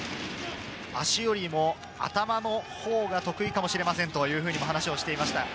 足よりも頭のほうが得意かもしれませんというふうにも話をしていました。